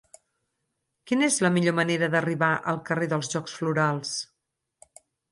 Quina és la millor manera d'arribar al carrer dels Jocs Florals?